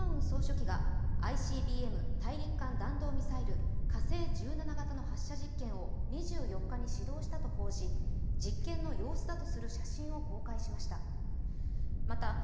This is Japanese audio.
総書記が新型のＩＣＢＭ＝大陸間弾道ミサイル、火星１７型の発射実験を２４日に始動したと報じ実験の様子だとする写真を公開しました。